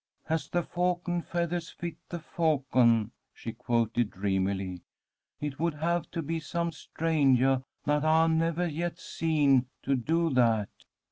"'As the falcon's feathahs fit the falcon,'" she quoted, dreamily. "It would have to be some strangah that I've nevah yet seen, to do that.